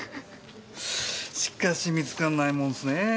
しかし見つかんないもんすねぇ。